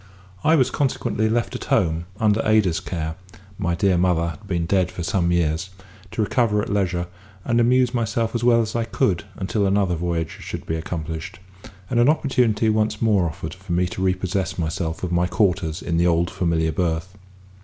I was consequently left at home under Ada's care (my dear mother had been dead some years), to recover at leisure, and amuse myself as well as I could until another voyage should be accomplished, and an opportunity once more offered for me to repossess myself of my quarters in the old familiar berth.